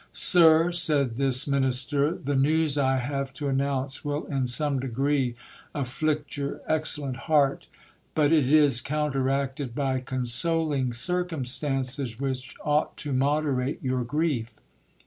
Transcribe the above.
Sir, said this minister, the news I have to announce will in some degree afflict your excellent heart, but it is counteracted by consoling circumstances which ought to moderate your grief.